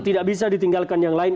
tidak bisa ditinggalkan yang lain